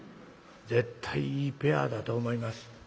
絶対いいペアだと思います。